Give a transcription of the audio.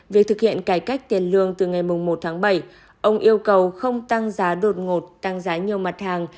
việc thực hiện cải cách tiền lương từ ngày một tháng bảy ông yêu cầu không tăng giá đột ngột tăng giá nhiều mặt hàng